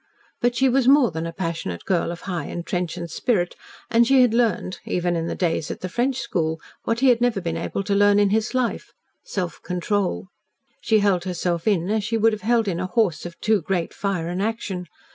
But she was more than a passionate girl of high and trenchant spirit, and she had learned, even in the days at the French school, what he had never been able to learn in his life self control. She held herself in as she would have held in a horse of too great fire and action.